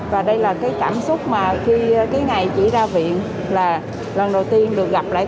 và đây là cái cảm xúc mà khi cái ngày chị ra viện là lần đầu tiên được gặp lại con đứa